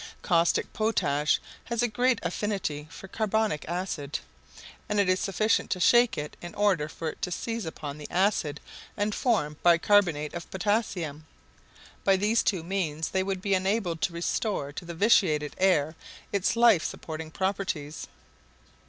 Caustic potash has a great affinity for carbonic acid; and it is sufficient to shake it in order for it to seize upon the acid and form bicarbonate of potassium. By these two means they would be enabled to restore to the vitiated air its life supporting properties.